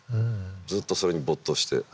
ずっとそれに没頭して。